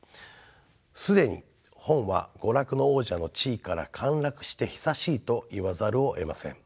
既に本は娯楽の王者の地位から陥落して久しいと言わざるをえません。